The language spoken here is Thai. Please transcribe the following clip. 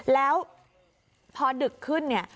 แล้วพอดึกขึ้นเนี่ย